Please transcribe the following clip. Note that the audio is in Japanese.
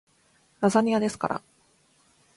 ラザニアですから